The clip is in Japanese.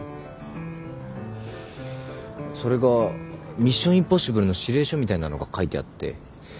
それが『ミッション：インポッシブル』の指令書みたいなのが書いてあって。